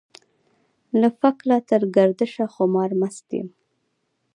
له فکله تر ګردشه خمار مست يم.